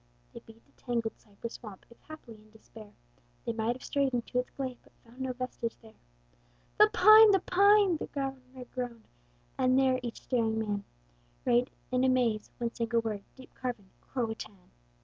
They beat the tangled cypress swamp, If haply in despair They might have strayed into its glade: But found no vestige there. "The pine! the pine!" the Governor groaned; And there each staring man Read in a maze, one single word, Deep carven, CRO A TÀN!